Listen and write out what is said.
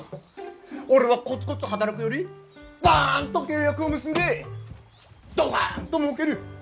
俺はコツコツ働くよりバンと契約を結んでドカンともうける。